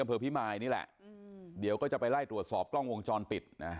อำเภอพิมายนี่แหละเดี๋ยวก็จะไปไล่ตรวจสอบกล้องวงจรปิดนะ